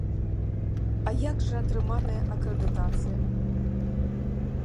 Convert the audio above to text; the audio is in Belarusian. А як жа атрыманая акрэдытацыя?